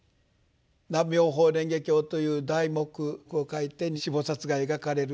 「南無妙法蓮華経」という題目を書いて四菩薩が描かれる。